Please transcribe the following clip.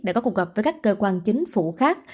đã có cuộc gặp với các cơ quan chính phủ khác